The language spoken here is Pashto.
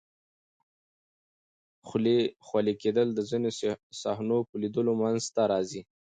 خولې کېدل د ځینو صحنو په لیدلو منځ ته راځي.